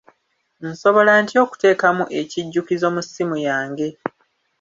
Nsobola ntya okuteekamu ekijjukizo mu ssimu yange?